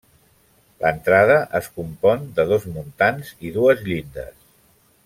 L'entrada es compon de dos muntants i dues llindes.